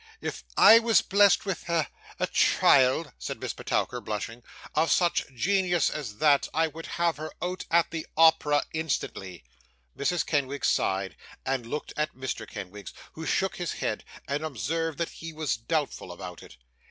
'If I was blessed with a a child ' said Miss Petowker, blushing, 'of such genius as that, I would have her out at the Opera instantly.' Mrs. Kenwigs sighed, and looked at Mr. Kenwigs, who shook his head, and observed that he was doubtful about it.